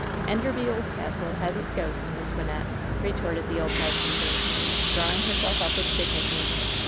"Enderby Old Castle has its ghost. Miss Wynnette," retorted the old housekeeper, drawing herself up with dignity.